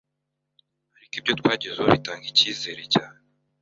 ariko ibyo twagezeho bitanga icyizere cyane"